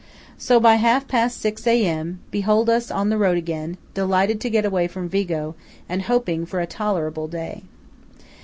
So by half past six A.M., behold us on the road again, delighted to get away from Vigo, and hoping for a tolerable day.